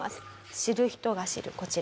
知る人が知るこちら。